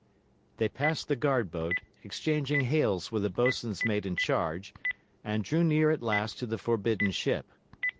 They passed the guard boat, exchanging hails with the boat swain's mate in charge, and drew near at last to the forbidden ship.